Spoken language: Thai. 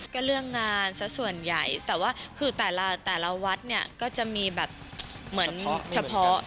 ก็เรื่องงานสักส่วนใหญ่แต่ว่าคือแต่ละแต่ละวัดเนี่ยก็จะมีแบบเหมือนเฉพาะ